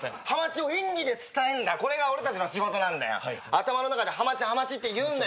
頭の中でハマチハマチって言うんだよ。